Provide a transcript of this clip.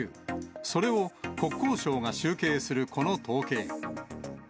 それを国交省が集計するこの統計。